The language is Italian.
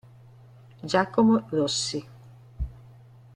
Giacomo Rossi